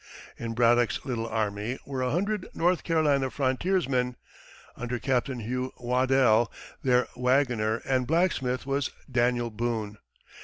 In Braddock's little army were a hundred North Carolina frontiersmen, under Captain Hugh Waddell; their wagoner and blacksmith was Daniel Boone.